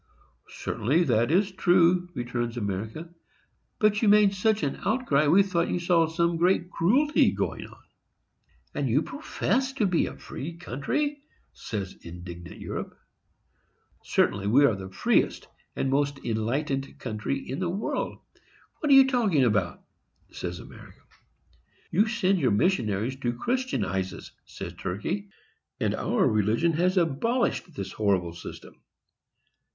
"Certainly that is true," returns America; "but you made such an outcry, we thought you saw some great cruelty going on." "And you profess to be a free country!" says indignant Europe. "Certainly we are the freest and most enlightened country in the world,—what are you talking about?" says America. "You send your missionaries to Christianize us," says Turkey; "and our religion has abolished this horrible system."